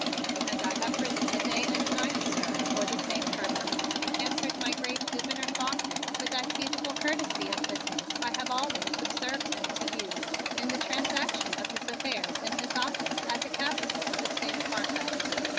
"And I have ridden a day and a night, sir, for the same purpose," answered my great Gouverneur Faulkner with that beautiful courtesy of business I have always observed him to use in the transaction of his affairs in his office at the Capitol of the State of Harpeth.